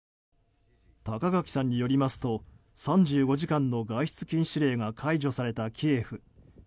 高垣さんによりますと３５時間の外出禁止令が解除されたキエフ。